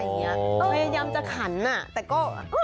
พยายามจะขันแต่ก็